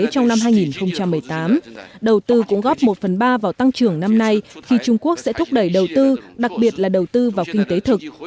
trong năm hai nghìn một mươi tám đầu tư cũng góp một phần ba vào tăng trưởng năm nay khi trung quốc sẽ thúc đẩy đầu tư đặc biệt là đầu tư vào kinh tế thực